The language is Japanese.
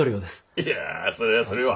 いやそれはそれは。